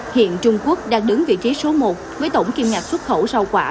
hiện trung quốc đang đứng vị trí số một với tổng kiêm ngạc xuất khẩu rau quả